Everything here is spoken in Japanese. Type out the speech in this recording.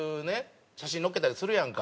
写真載っけたりするやんか。